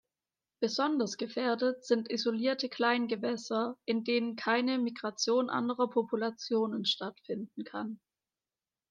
Besonders gefährdet sind isolierte Kleingewässer, in denen keine Migration anderer Populationen stattfinden kann.